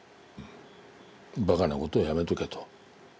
ばかなことをやめとけと。